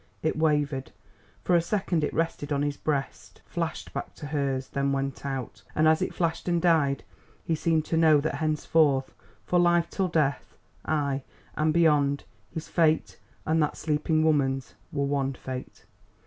It wavered, for a second it rested on his breast, flashed back to hers, then went out; and as it flashed and died, he seemed to know that henceforth, for life till death, ay! and beyond, his fate and that sleeping woman's were one fate.